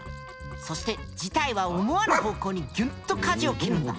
そして事態は思わぬ方向にギュンと舵を切るんだ。